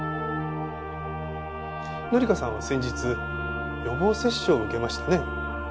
紀香さんは先日予防接種を受けましたね。